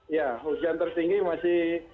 ya hujan tertinggi masih